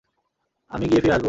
আমি গিয়ে ফিরে আসবো।